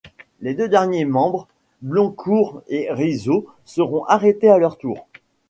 Les deux derniers membres, Bloncourt et Rizo, seront arrêtés à leur tour.